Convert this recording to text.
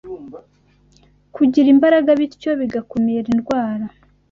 kugira imbaraga bityo bigakumira indwara